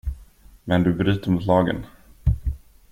Men du bryter mot lagen.